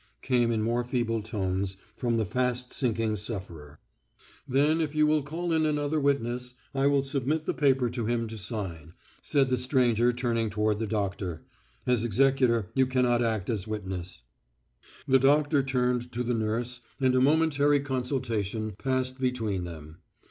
came in more feeble tones from the fast sinking sufferer. "Then if you will call in another witness, I will submit the paper to him to sign," said the stranger turning toward the doctor. "As executor you cannot act as witness." The doctor turned to the nurse and a momentary consultation passed between them.